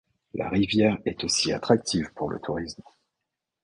La rivière est aussi attractive pour le tourisme.